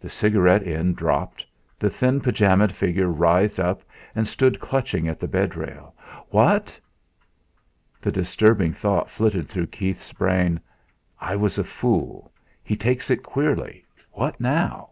The cigarette end dropped, the thin pyjama'd figure writhed up and stood clutching at the bedrail. "What?" The disturbing thought flitted through Keith's brain: 'I was a fool. He takes it queerly; what now?'